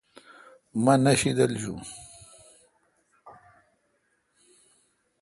مہ نہ شیدل جوُن۔